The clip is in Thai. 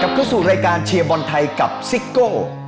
เข้าสู่รายการเชียร์บอลไทยกับซิโก้